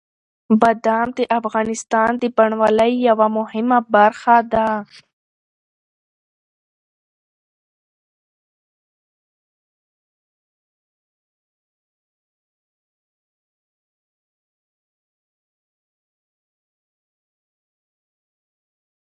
زړه مي په اختیار کي نه دی،